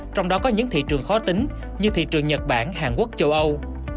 trong đó có những thị trường khó tính như thị trường nhật bản hàn quốc châu âu